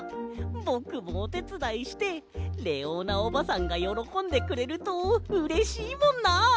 ぼくもおてつだいしてレオーナおばさんがよろこんでくれるとうれしいもんな。